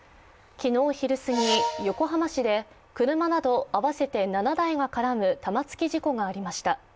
昨日昼すぎ、横浜市で車など合わせて７台が絡む玉突き事故がありました。